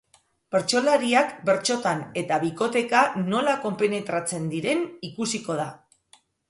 Bertsolariak bertsotan eta bikoteka nola konpenetratzen diren ikusiko da.